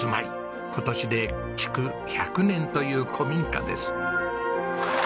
今年で築１００年という古民家です。